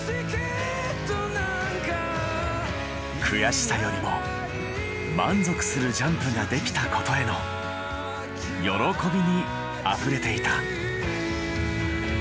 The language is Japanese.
悔しさよりも満足するジャンプができたことへの喜びにあふれていた。